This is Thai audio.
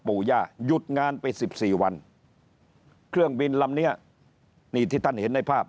ปู่ย่าหยุดงานไปสิบสี่วันเครื่องบินลำเนี้ยนี่ที่ท่านเห็นในภาพ